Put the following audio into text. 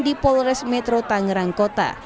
di polres metro tangerang kota